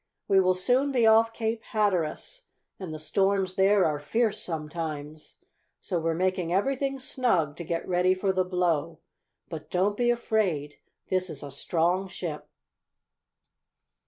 "We will soon be off Cape Hatteras, and the storms there are fierce sometimes. So we're making everything snug to get ready for the blow. But don't be afraid. This is a strong ship."